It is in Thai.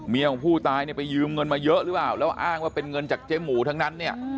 เมียของผู้ตายไปยืมเงินมาเยอะหรือเปล่าแล้วอ้างว่าเป็นเงินจากเจมส์หมู่ทั้งนั้น